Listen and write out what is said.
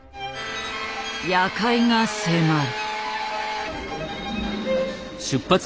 夜会が迫る。